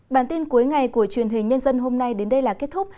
bản tin cuối ngày của truyền hình nhân dân hôm nay đến đây là kết thúc